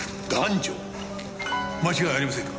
間違いありませんか？